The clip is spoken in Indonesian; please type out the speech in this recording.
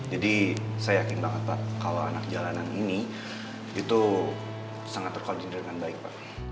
jadi saya yakin banget pak kalau anak jalanan ini itu sangat terkoordinir dengan baik pak